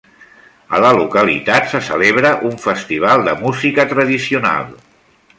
A la localitat se celebra un festival de música tradicional.